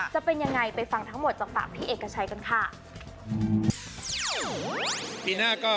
จะเป็นยังไงไปฟังทั้งหมดจากปากพี่เอกชัยกันค่ะ